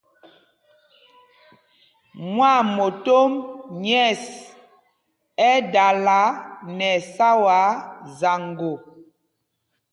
Mwâmotom nyɛ̂ɛs ɛ́ dala nɛ ɛsáwaa zaŋgo.